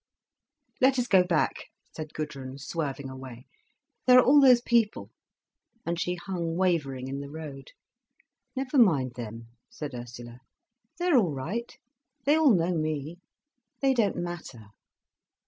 "Let us go back," said Gudrun, swerving away. "There are all those people." And she hung wavering in the road. "Never mind them," said Ursula, "they're all right. They all know me, they don't matter."